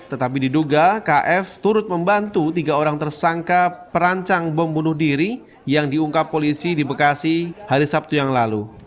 tetapi diduga kf turut membantu tiga orang tersangka perancang bom bunuh diri yang diungkap polisi di bekasi hari sabtu yang lalu